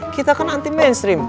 kita kan anti mainstream